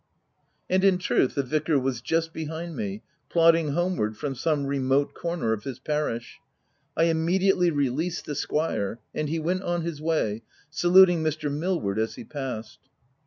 And in truth, the vicar was just behind me, plodding homeward from some remote corner of his parish. I immediately released the squire ; and he went on his way, saluting Mr. Milward as he passed.